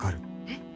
えっ？